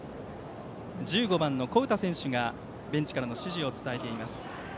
１５番の古宇田選手がベンチからの指示を伝えています。